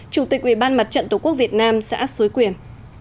chủ tịch ubnd tqvn xã xúi quyền